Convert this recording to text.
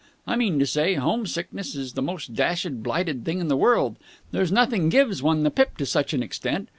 I mean to say, home sickness is the most dashed blighted thing in the world. There's nothing gives one the pip to such an extent.